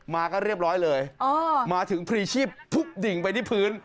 มาก็เรียบร้อยเลยมาถึงพรีชีพทุบดิ่งไปที่พื้น